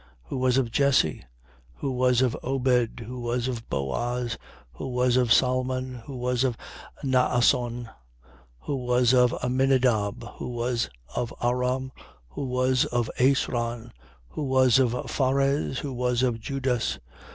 Who was of Jesse, who was of Obed, who was of Booz, who was of Salmon, who was of Naasson, 3:33. Who was of Aminadab, who was of Aram, who was of Esron, who was of Phares, who was of Judas, 3:34.